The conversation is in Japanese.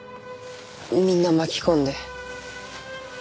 みんな巻き込んで。